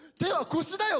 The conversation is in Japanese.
腰だよ！